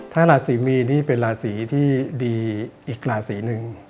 ถ้าราศีมีนนี่เป็นราศีที่ดีอีกราศีหนึ่ง